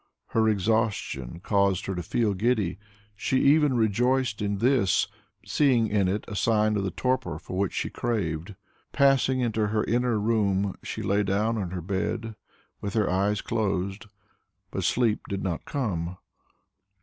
Her exhaustion caused her to feel giddy; she even rejoiced in this, seeing in it a sign of the torpor for which she craved. Passing into her inner room, she lay down on her bed, with her eyes closed, but sleep did not come.